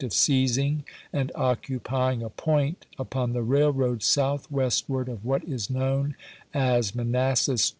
of seizing and occupying a point upon the railroad ''^w.i^' southwestward of what is known as Manassas v., p. 41.'